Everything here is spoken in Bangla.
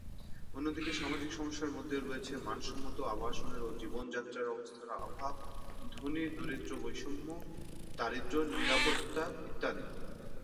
অন্যদিকে সামাজিক সমস্যার মধ্যে রয়েছে মানসম্মত আবাসনের ও জীবনযাত্রার অবস্থার অভাব, ধনী-দরিদ্র বৈষম্য, দারিদ্র্য, নিরাপত্তা, ইত্যাদি।